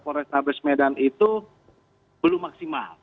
polrestabes medan itu belum maksimal